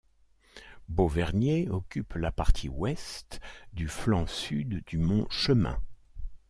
Bovernier occupe la partie ouest du flanc sud du Mont Chemin.